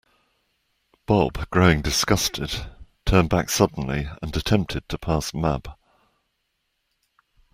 Bob, growing disgusted, turned back suddenly and attempted to pass Mab.